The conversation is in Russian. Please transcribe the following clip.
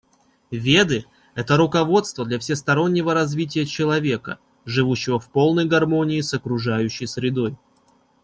Веды — это руководство для всестороннего развития человека, живущего в полной гармонии с окружающей средой.